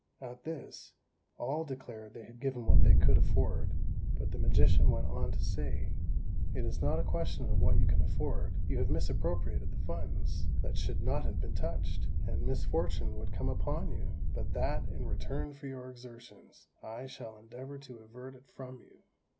At this, all declared they had given what they could afford; but the magician went on to say, "It is not a question of what you can afford; you have misappropriated the funds that should not have been touched, and misfortune would come upon you, but that, in return for your exertions, I shall endeavour to avert it from you.